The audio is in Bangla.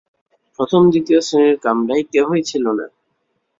প্রথম দ্বিতীয় শ্রেণীর কামরায় কেহই ছিল না।